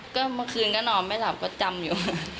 ก็เมื่อคืนก็นอนไม่หลับก็จำอยู่